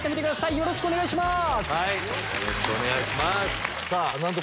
よろしくお願いします。